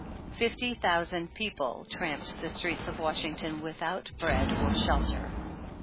Fifty thou sand people tramped the streets of V/ashington without bread or shelter.